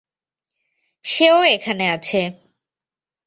সেও এখানে আছে।